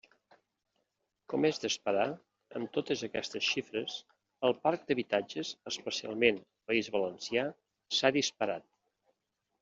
Com és d'esperar, amb totes aquestes xifres, el parc d'habitatges, especialment al País Valencià, s'ha disparat.